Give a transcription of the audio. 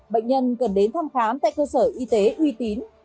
bệnh nhân cần đến thăm khám tại cơ sở y tế uy tín